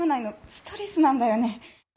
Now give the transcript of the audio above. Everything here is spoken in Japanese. ストレスなんだよね」。